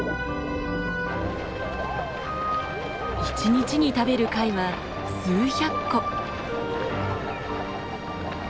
一日に食べる貝は数百個。